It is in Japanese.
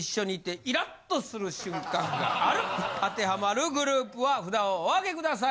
当てはまるグループは札をおあげください